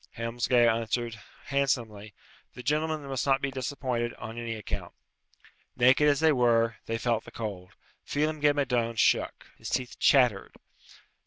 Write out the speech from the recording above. Helmsgail answered, handsomely, "The gentlemen must not be disappointed, on any account." Naked as they were, they felt the cold. Phelem ghe Madone shook. His teeth chattered. Dr.